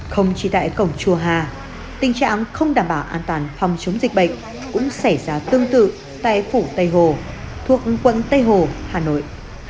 không chỉ tại cổng chùa hà tình trạng không đảm bảo an toàn phòng chống dịch bệnh cũng xảy ra tương tự tại phủ tây hồ thuộc quận tây hồ hà nội